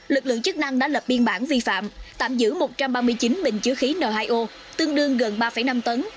lực lượng chức năng đã lập biên bản vi phạm tạm giữ một trăm ba mươi chín bình chứa khí n hai o tương đương gần ba năm tấn